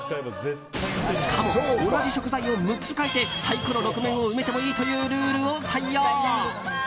しかも同じ食材を６つ書いてサイコロ６面を埋めてもいいというルールを採用。